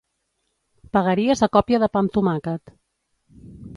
Pagaries a còpia de pa amb tomàquet.